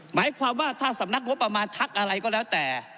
หมายความว่าถ้าสำนักงบประมาณทักอะไรก็แล้วแต่